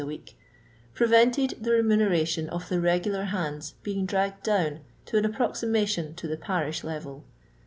a week — pieTented the remuneration of the regular hands being dragged down to an approximation to the pariui level.